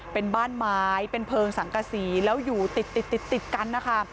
เป็นบ้านไม้เป็นเพลิงสังกษีแล้วอยู่ติดติดกันนะคะ